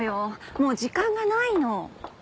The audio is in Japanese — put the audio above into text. もう時間がないの。